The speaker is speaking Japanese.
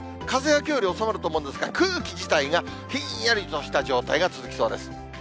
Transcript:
風はきょうより収まると思うんですが、空気自体がひんやりとした状態が続きそうです。